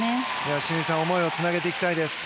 清水さん思いをつなげていきたいです。